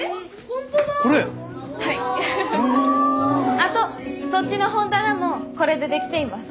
あとそっちの本棚もこれで出来ています。